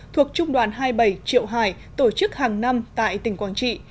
thuộc trung đoàn hai mươi bảy triệu hải tổ chức hàng năm tại tỉnh quảng trị